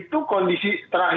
itu kondisi terakhir